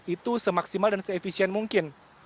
itu semaksimal dan seefisien mungkin